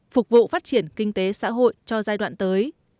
phục vụ phát triển kinh tế xã hội cho giai đoạn tới